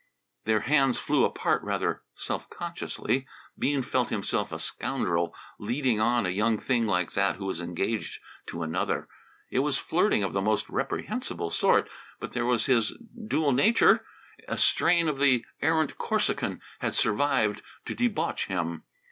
Their hands flew apart rather self consciously. Bean felt himself a scoundrel "leading on" a young thing like that who was engaged to another. It was flirting of the most reprehensible sort. But there was his dual nature; a strain of the errant Corsican had survived to debauch him.